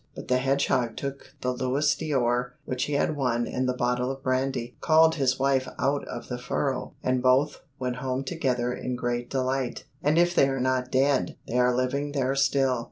But the hedgehog took the louis d'or which he had won and the bottle of brandy, called his wife out of the furrow, and both went home together in great delight, and if they are not dead, they are living there still.